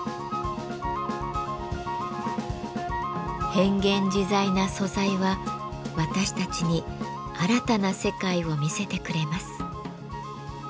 変幻自在な素材は私たちに新たな世界を見せてくれます。